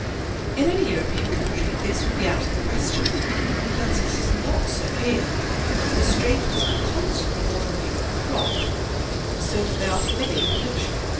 In any European country this would be out of the question; but it is not so there, for the straighteners are constantly ordering people to be flogged, so that they are familiar with the notion.